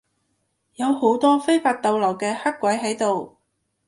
有好多非法逗留嘅黑鬼喺度